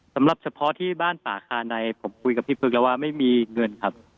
สำหรับเฉพาะที่บ้านป่าคาไนผมคุยกับพี่พึกแล้วว่าไม่มีเงินครับ